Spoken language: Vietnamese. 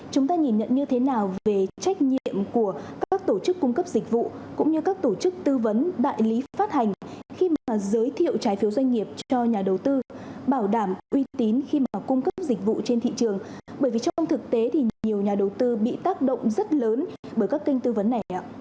chúng ta nhìn nhận như thế nào về trách nhiệm của các tổ chức cung cấp dịch vụ cũng như các tổ chức tư vấn đại lý phát hành khi mà giới thiệu trái phiếu doanh nghiệp cho nhà đầu tư bảo đảm uy tín khi mà cung cấp dịch vụ trên thị trường bởi vì trong thực tế thì nhiều nhà đầu tư bị tác động rất lớn bởi các kênh tư vấn này ạ